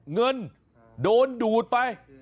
เงินโดนดูดไป